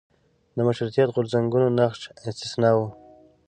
د مشروطیت غورځنګونو نقش استثنا و.